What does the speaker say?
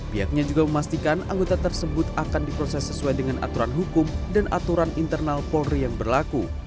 pihaknya juga memastikan anggota tersebut akan diproses sesuai dengan aturan hukum dan aturan internal polri yang berlaku